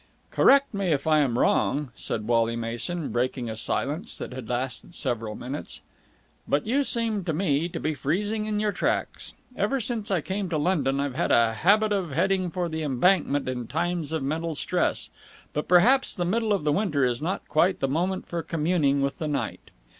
"Correct me if I am wrong," said Wally Mason, breaking a silence that had lasted several minutes, "but you seem to me to be freezing in your tracks. Ever since I came to London I've had a habit of heading for the Embankment in times of mental stress, but perhaps the middle of winter is not quite the moment for communing with the night.